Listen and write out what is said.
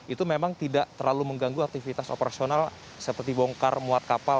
itu memang tidak terlalu mengganggu aktivitas operasional seperti bongkar muat kapal